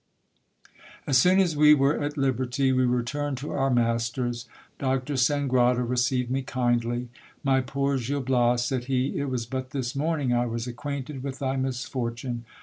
As soon as we were at liberty we returned to our masters. Doctor Sangrado received me kindly ; My poor Gil Bias, said he, it was but this morning I was acquainted with thy misfortune.